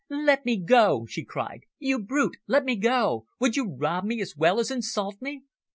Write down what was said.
"Let me go!" she cried. "You brute! Let me go! Would you rob me, as well as insult me?"